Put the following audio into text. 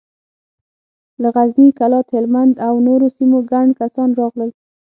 له غزني، کلات، هلمند او نورو سيمو ګڼ کسان راغلل.